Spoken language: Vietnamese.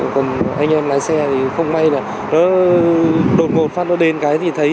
còn anh em lái xe thì không may là nó đột ngột phát nó đến cái thì thấy